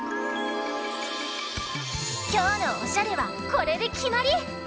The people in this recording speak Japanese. きょうのおしゃれはこれできまり！